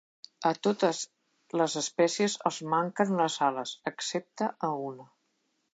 A totes les espècies els manquen les ales, excepte a una.